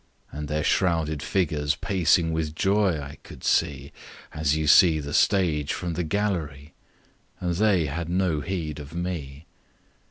And their shrouded figures pacing with joy I could see As you see the stage from the gallery. And they had no heed of me.